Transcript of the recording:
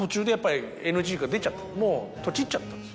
もうとちっちゃったんです